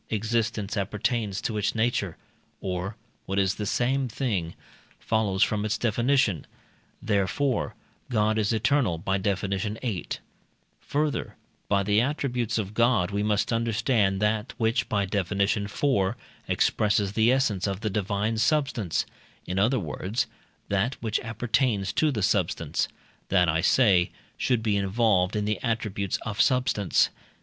existence appertains to its nature, or (what is the same thing) follows from its definition; therefore, God is eternal (by Def. viii.). Further, by the attributes of God we must understand that which (by Def. iv.) expresses the essence of the divine substance in other words, that which appertains to substance: that, I say, should be involved in the attributes of substance.